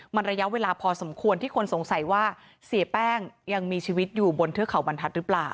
มันระยะเวลาพอสมควรที่คนสงสัยว่าเสียแป้งยังมีชีวิตอยู่บนเทือกเขาบรรทัศน์หรือเปล่า